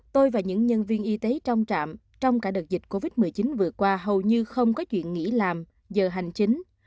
tôi và những nhân viên y tế trong trạm trong cả đợt dịch covid một mươi chín vừa qua hầu như không có chuyện nghỉ làm giờ hành chính